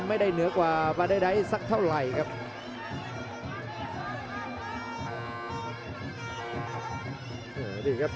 ไม่ได้เหนือกว่าบัตรดายสักเท่าไหร่ครับ